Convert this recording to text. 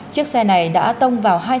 chiếc xe này đã tông vào hai xe